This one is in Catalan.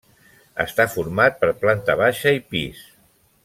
Està format per planta baixa i pis.